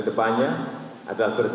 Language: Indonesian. saya yakin tidak